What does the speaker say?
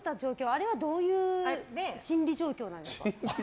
あれはどういう心理状況なんですか？